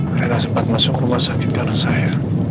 karena sempat masuk rumah sakit karena saya